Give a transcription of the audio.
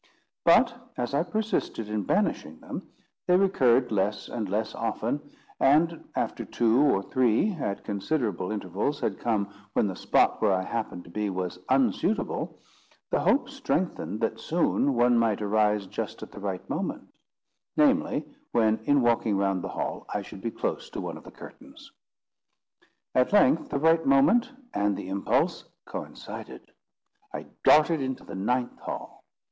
But as I persisted in banishing them, they recurred less and less often; and after two or three, at considerable intervals, had come when the spot where I happened to be was unsuitable, the hope strengthened, that soon one might arise just at the right moment; namely, when, in walking round the hall, I should be close to one of the curtains. At length the right moment and the impulse coincided. I darted into the ninth hall.